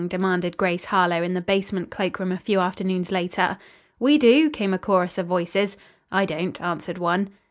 demanded Grace Harlowe in the basement cloakroom a few afternoons later. "We do," came a chorus of voices. "I don't," answered one.